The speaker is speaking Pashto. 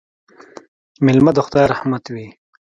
مېلمه د خدای رحمت وي